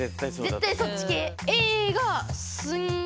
絶対そっち系。